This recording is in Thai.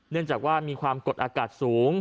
เนื่องจากว่ามีความกดอากาศสูง